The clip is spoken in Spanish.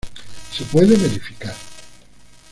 Se puede verificar.